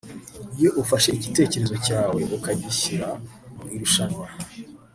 Iyo ufashe igitekerezo cyawe ukagishyira mu irushanwa